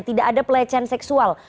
tidak ada pelecehan seksual